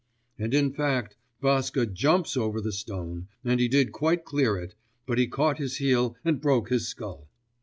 And in fact, Vaska jumps over the stone, and he did quite clear it, but he caught his heel and broke his skull.